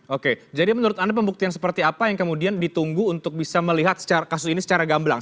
oke jadi menurut anda pembuktian seperti apa yang kemudian ditunggu untuk bisa melihat kasus ini secara gamblang